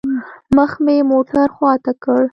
مخ مې موټر خوا ته كړ.